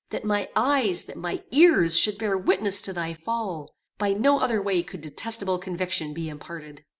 That my eyes, that my ears, should bear witness to thy fall! By no other way could detestible conviction be imparted.